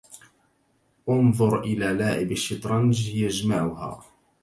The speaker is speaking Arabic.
انظر إلى لاعب الشطرنج يجمعها